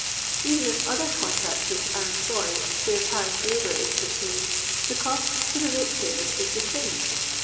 Kven it' other contractors are em ployed where j»ar".sh labour is pursued, the cost to the rate payers is the s.nme.